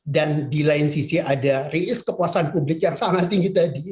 dan di lain sisi ada risk kepuasan publik yang sangat tinggi tadi